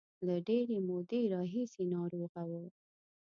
له ډېرې مودې راهیسې ناروغه و.